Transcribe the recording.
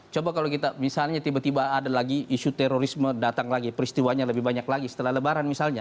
coba kalau kita misalnya tiba tiba ada lagi isu terorisme datang lagi peristiwanya lebih banyak lagi setelah lebaran misalnya